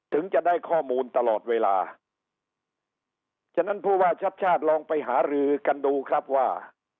ถึงจะได้ข้อมูลตลอดเวลาฉะนั้นผู้ว่าชัดชาติลองไปหารือกันดูครับว่า